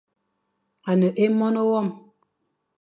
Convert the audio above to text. A ne é Mone wam.